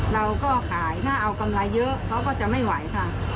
เราก็ขายถ้าเอากำไรเยอะเขาก็จะไม่ไหวค่ะ